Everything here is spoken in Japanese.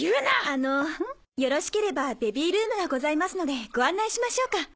あのよろしければベビールームがございますのでご案内しましょうか。